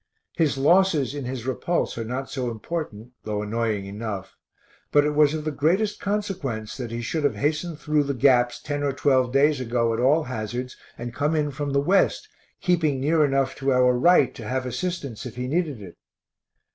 His losses [in] his repulse are not so important, though annoying enough, but it was of the greatest consequence that he should have hastened through the gaps ten or twelve days ago at all hazards and come in from the west, keeping near enough to our right to have assistance if he needed it.